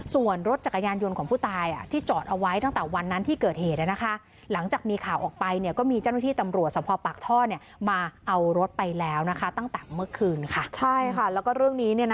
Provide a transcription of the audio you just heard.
ส่วนรถจักรยานยนต์ของผู้ตายที่จอดเอาไว้ตั้งแต่วันนั้นที่เกิดเหตุ